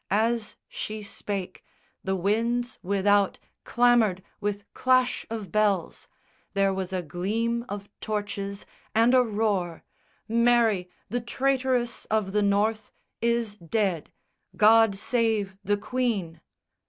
As she spake, The winds without clamoured with clash of bells, There was a gleam of torches and a roar _Mary, the traitress of the North, is dead, God save the Queen!